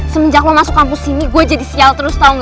semenjak lo masuk kampus sini gue jadi sial terus tahun